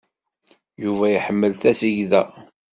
Yuba iḥemmel tasegda.